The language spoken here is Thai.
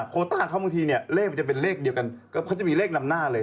โคต้าเขาบางทีเนี่ยเลขมันจะเป็นเลขเดียวกันเขาจะมีเลขนำหน้าเลย